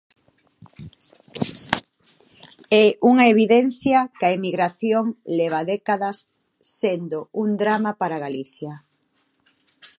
É unha evidencia que a emigración leva décadas sendo un drama para Galiza.